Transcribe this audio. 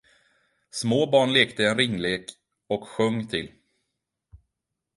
Små barn lekte en ringlek och sjöng till.